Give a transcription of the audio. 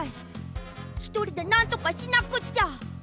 ひとりでなんとかしなくっちゃ！